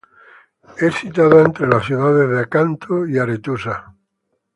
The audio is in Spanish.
Es citada entre las ciudades de Acanto y Aretusa.